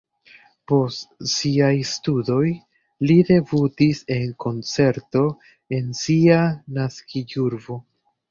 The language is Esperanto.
Post siaj studoj li debutis en koncerto en sia naskiĝurbo.